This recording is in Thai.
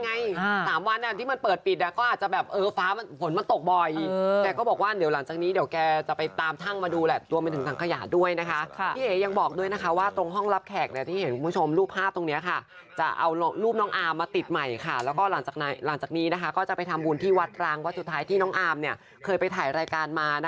พี่แจ๊คเกอรีนพี่แจ๊คเกอรีนพี่แจ๊คเกอรีนพี่แจ๊คเกอรีนพี่แจ๊คเกอรีนพี่แจ๊คเกอรีนพี่แจ๊คเกอรีนพี่แจ๊คเกอรีนพี่แจ๊คเกอรีนพี่แจ๊คเกอรีนพี่แจ๊คเกอรีนพี่แจ๊คเกอรีนพี่แจ๊คเกอรีนพี่แจ๊คเกอรีนพี่แจ๊คเกอรีนพี่แจ๊คเกอรีนพี่แจ๊คเกอรีน